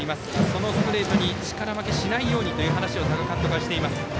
そのストレートに力負けしないようにという話を多賀監督はしています。